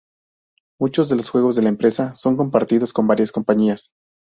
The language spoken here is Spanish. Muchos de los juegos de la empresa son compartidos con varias compañías.